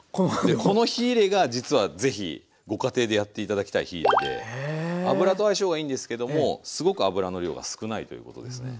この火入れが実は是非ご家庭でやって頂きたい火入れで油と相性がいいんですけどもすごく油の量が少ないということですね。